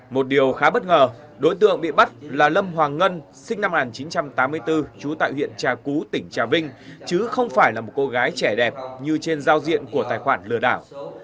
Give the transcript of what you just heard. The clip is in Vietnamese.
một điều khá bất ngờ đối tượng bị bắt là lâm hoàng ngân sinh năm một nghìn chín trăm tám mươi bốn trú tại huyện trà cú tỉnh trà vinh chứ không phải là một cô gái trẻ đẹp như trên giao diện của tài khoản lừa đảo